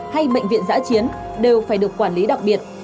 hay bệnh viện giã chiến đều phải được quản lý đặc biệt